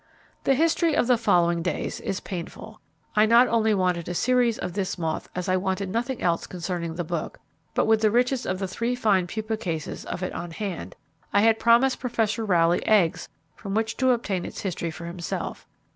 The history of the following days is painful. I not only wanted a series of this moth as I wanted nothing else concerning the book, but with the riches of three fine pupa cases of it on hand, I had promised Professor Rowley eggs from which to obtain its history for himself.